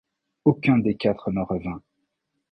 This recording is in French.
Aucun des quatre ne revint.